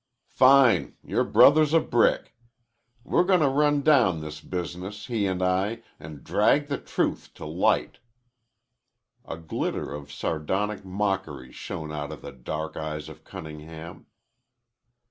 "Fine. Your brother's a brick. We're goin' to run down this business, he an' I, an' drag the truth to light." A glitter of sardonic mockery shone out of the dark eyes of Cunningham.